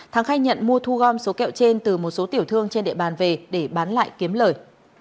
thắng khai nhận mua thu gom số kẹo trên từ một số tiểu thương trên địa bàn về để bán lại kiếm lời